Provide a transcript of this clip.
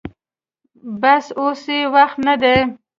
بس اوس يې وخت نه دې.